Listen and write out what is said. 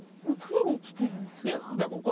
もう取りにきてるんですか？